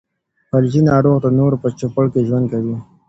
فلجي ناروغ د نورو په چوپړ کې ژوند کوي.